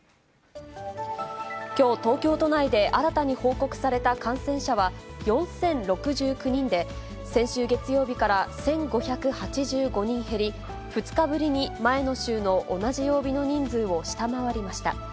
きょう、東京都内で新たに報告された感染者は４０６９人で、先週月曜日から１５８５人減り、２日ぶりに前の週の同じ曜日の人数を下回りました。